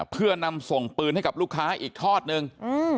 เพื่อนำส่งปืนให้กับลูกค้าอีกทอดนึง